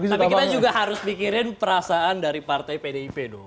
tapi kita juga harus mikirin perasaan dari partai pdip dong